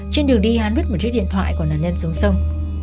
trên đường đi hắn vứt một chiếc điện thoại của nạn nhân xuống sông